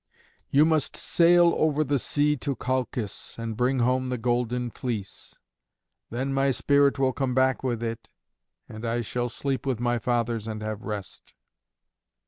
"You must sail over the sea to Colchis, and bring home the Golden Fleece. Then my spirit will come back with it, and I shall sleep with my fathers and have rest."